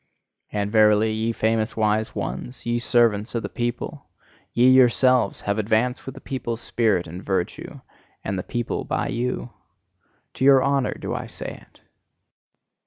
And verily, ye famous wise ones, ye servants of the people! Ye yourselves have advanced with the people's spirit and virtue and the people by you! To your honour do I say it!